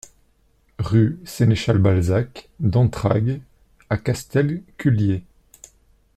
Rue Sénéchal Balzac d'Entrague à Castelculier